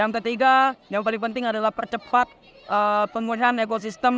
yang ketiga yang paling penting adalah percepat pemulihan ekosistem